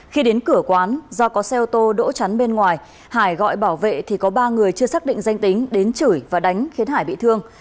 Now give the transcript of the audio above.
khi đến cửa quán do có xe ô tô đỗ chắn bên ngoài hải gọi bảo vệ thì có ba người chưa xác định danh tính đến chửi và đánh khiến hải bị thương